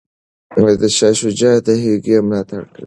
شاه شجاع د هغوی ملاتړ کوي.